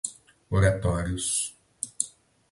Oratórios